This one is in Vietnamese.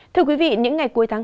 thưa quý vị những ngày cuối tháng hai